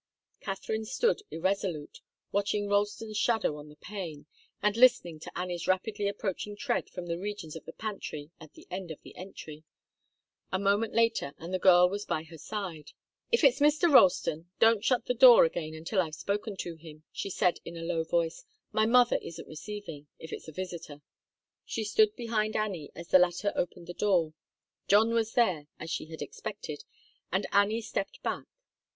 Katharine stood irresolute, watching Ralston's shadow on the pane, and listening to Annie's rapidly approaching tread from the regions of the pantry at the end of the entry. A moment later and the girl was by her side. "If it's Mr. Ralston, don't shut the door again till I've spoken to him," she said, in a low voice. "My mother isn't receiving, if it's a visitor." She stood behind Annie as the latter opened the door. John was there, as she had expected, and Annie stepped back.